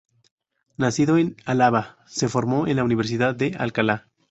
Nacido en Álava, se formó en la Universidad de Alcalá.